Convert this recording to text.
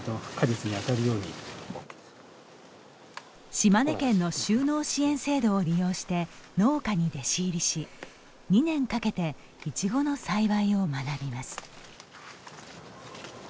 島根県の就農支援制度を利用して農家に弟子入りし２年かけていちごの栽培を学びます。